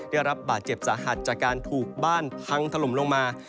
ได้รับบาดเจ็บสาหัสจากการถูกบ้านพังถล่มลงมา